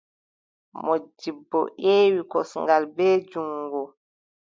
Moodibbo yewi kosngal, bee juŋngo.